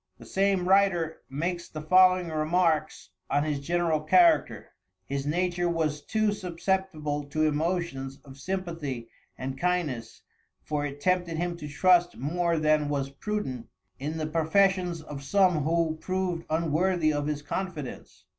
The same writer makes the following remarks on his general character: "His nature was too susceptible to emotions of sympathy and kindness, for it tempted him to trust more than was prudent in the professions of some who proved unworthy of his confidence.